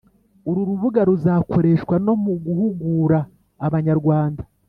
uru rubuga ruzakoreshwa no mu guhugura abanyarwanda,